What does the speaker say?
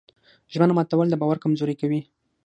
ژمنه ماتول د باور کمزوري کوي.